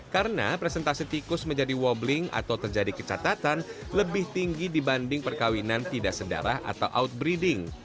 karena presentasi tikus menjadi wobbling atau terjadi kecatatan lebih tinggi dibanding perkawinan tidak sedara atau outbreeding